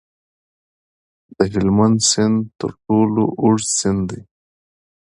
د هلمند سیند تر ټولو اوږد سیند دی